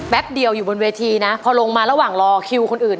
เดียวอยู่บนเวทีนะพอลงมาระหว่างรอคิวคนอื่น